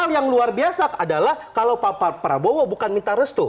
hal yang luar biasa adalah kalau pak prabowo bukan minta restu